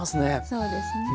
そうですね。